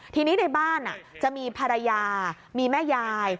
ทีนี้ในบ้านจะมีภรรยามีแม่ยาย